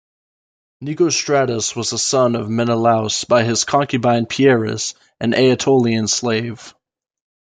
Nicostratus was a son of Menelaus by his concubine Pieris, an Aetolian slave.